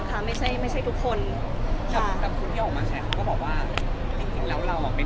แต่ทั้งฝั่งที่ขึ้นเขาเขาทราบไหมคะว่าที่ทุกคนชอบดี